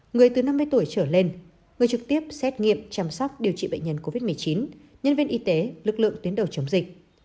người từ năm mươi tuổi trở lên người trực tiếp xét nghiệm chăm sóc điều trị bệnh nhân covid một mươi chín nhân viên y tế lực lượng tuyến đầu chống dịch